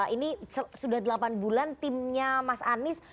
ini sudah delapan bulan timnya mas anies